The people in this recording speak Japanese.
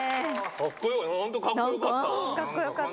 本当、かっこよかった。